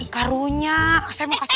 karunya saya mau kasih